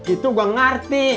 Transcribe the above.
itu gua ngerti